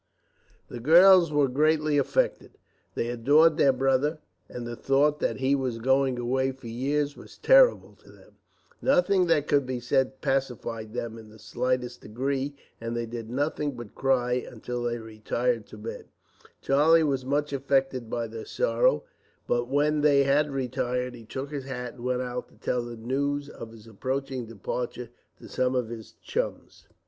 The girls were greatly affected. They adored their brother, and the thought that he was going away for years was terrible to them. Nothing that could be said pacified them in the slightest degree, and they did nothing but cry, until they retired to bed. Charlie was much affected by their sorrow; but when they had retired, he took his hat and went out to tell the news of his approaching departure to some of his chums.